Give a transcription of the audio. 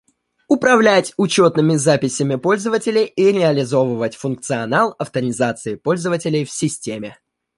Управлять учетными записями пользователей и реализовывать функционал авторизации пользователей в системе